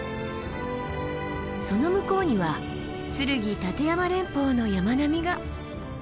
その向こうには剱・立山連峰の山並みが。